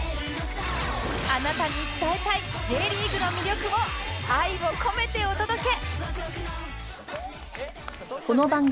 あなたに伝えたい Ｊ リーグの魅力を愛を込めてお届け！